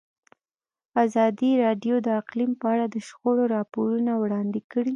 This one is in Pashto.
ازادي راډیو د اقلیم په اړه د شخړو راپورونه وړاندې کړي.